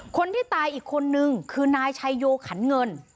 คนที่ตายอีกคนนึงคือนายชัยโยขันเงิน